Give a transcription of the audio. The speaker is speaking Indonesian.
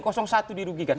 kocong satu dirugikan